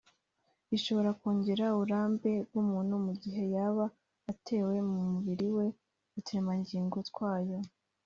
ishobora kongera uburambe bw’umuntu mu gihe yaba atewe mu mubiri we uturemgangingo twayo